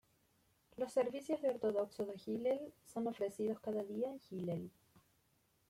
Los servicios de Ortodoxo de Hillel son ofrecidos cada día en Hillel.